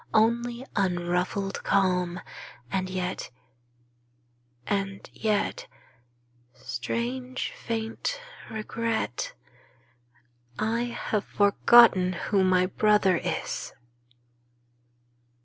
Only unruffled calm; and yet — and yet — Strange, faint regret — I have forgotten who my brother is!